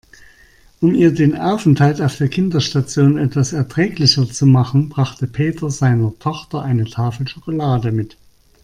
Um ihr den Aufenthalt auf der Kinderstation etwas erträglicher zu machen, brachte Peter seiner Tochter eine Tafel Schokolade mit.